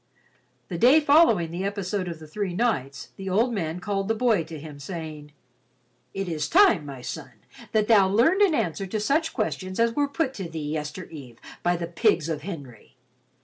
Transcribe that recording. The day following the episode of the three knights the old man called the boy to him, saying, "It is time, my son, that thou learned an answer to such questions as were put to thee yestereve by the pigs of Henry.